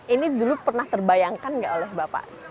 ini dulu pernah terbayangkan nggak oleh bapak